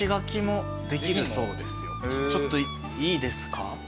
ちょっといいですか？